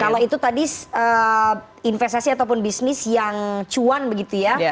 kalau itu tadi investasi ataupun bisnis yang cuan begitu ya